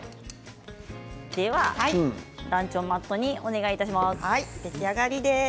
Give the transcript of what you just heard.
ランチョンマットにお願いします。